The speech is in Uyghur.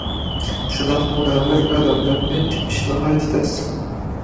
شۇنداق، مۇنەۋۋەر ئادەملەرنى تېپىش ناھايىتى تەس.